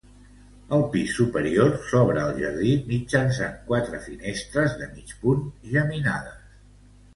El pis superior s'obre al jardí mitjançant quatre finestres de mig punt geminades.